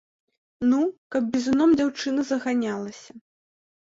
Ну, каб бізуном дзяўчына заганялася.